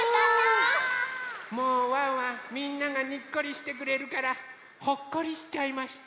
もうワンワンみんながにっこりしてくれるからほっこりしちゃいました。